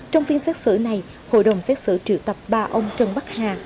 trong phiên xét xử này hội đồng xét xử triệu tập ba ông trần bắc hà